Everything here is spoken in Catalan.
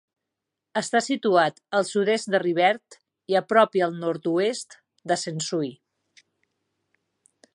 Està situat al sud-est de Rivert i a prop i al nord-oest de Sensui.